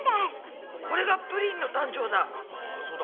これがプリンの誕生だ。